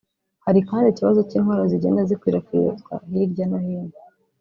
Hari kandi ikibazo cy’intwaro zigenda zikwirakwizwa hirya no hino